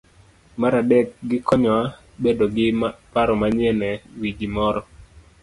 Mar adek, gikonyowa bedo gi paro manyien e wi gimoro.